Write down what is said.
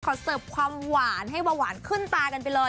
เสิร์ฟความหวานให้เบาหวานขึ้นตากันไปเลย